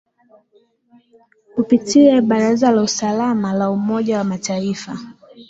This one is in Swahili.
kupitia baraza la usalama la umoja wa mataifa